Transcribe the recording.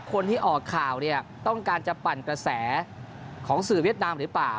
คนที่ออกข่าวเนี่ยต้องการจะปั่นกระแสของสื่อเวียดนามหรือเปล่า